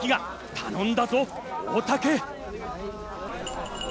頼んだぞ、大竹。